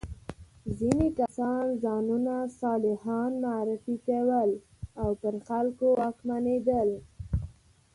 ځینې کسان ځانونه صالحان معرفي کول او پر خلکو واکمنېدل.